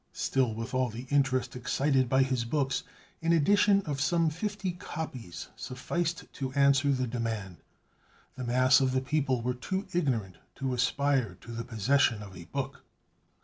Still, with all the interest excited by his books, an edition of some fifty copies, sufficed to answer the demand. The mass of the people were too ignorant to aspire to the possession of a book.